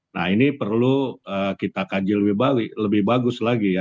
nah ini perlu kita kaji lebih bagus lagi ya